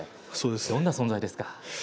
どんな存在ですか。